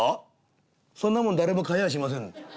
「そんなもん誰も買やしません。